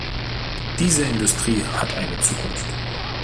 Diese Industrie hat eine Zukunft.